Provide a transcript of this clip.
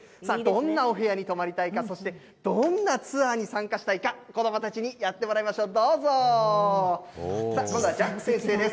どんなお部屋に泊まりたいか、そしてどんなツアーに参加したいか、子どもたちにやってもらいましょう。